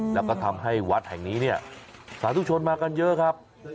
แล้วก็ทำให้วัดแห่งนี้เนี่ยสาธุชนมากันเยอะครับ